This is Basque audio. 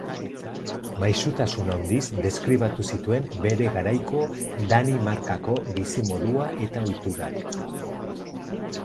Maisutasun handiz deskribatu zituen bere garaiko Danimarkako bizimodua eta ohiturak.